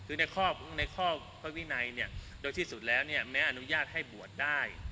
คือในข้อพระวินัยโดยที่สุดแล้วแม้อนุญาตให้บวชได้